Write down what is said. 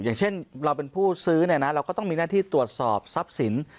อย่างเช่นเราเป็นผู้ซื้อเนี่ยนะเราก็ต้องมีหน้าที่ตรวจสอบทรัพย์สิน